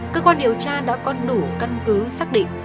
cơ quan điều tra đã có đủ căn cứ xác định